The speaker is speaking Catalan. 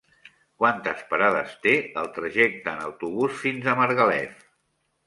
Quantes parades té el trajecte en autobús fins a Margalef?